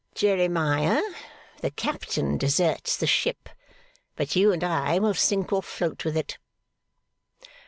Jeremiah, the captain deserts the ship, but you and I will sink or float with it.